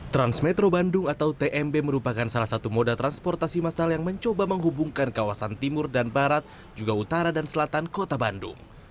transmetro bandung atau tmb merupakan salah satu moda transportasi massal yang mencoba menghubungkan kawasan timur dan barat juga utara dan selatan kota bandung